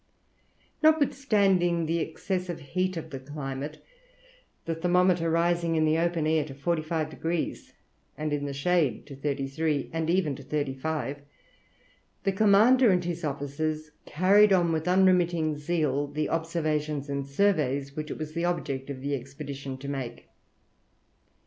Notwithstanding the excessive heat of the climate, the thermometer rising in the open air to 45 degrees, and in the shade to 33 degrees, and even to 35 degrees, the commander and his officers carried on with unremitting zeal the observations and surveys which it was the object of the Expedition to make.